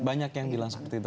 banyak yang bilang seperti itu